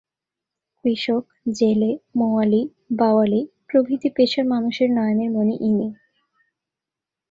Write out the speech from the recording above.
কৃষক, জেলে, মৌয়ালি-বাওয়ালি প্রভৃতি পেশার মানুষের নয়নের মণি ইনি।